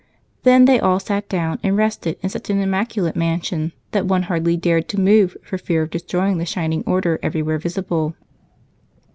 Then they all sat down and rested in such an immaculate mansion that one hardly dared to move for fear of destroying the shining order everywhere visible.